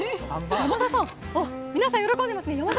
皆さん、喜んでますね。